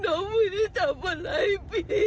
มันไม่ได้ทำอะไรผิด